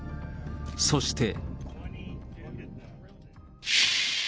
そして。